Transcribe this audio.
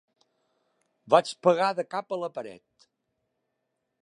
Vaig pegar de cap a la paret.